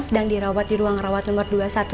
sedang dirawat di ruang rawat nomor dua ratus sebelas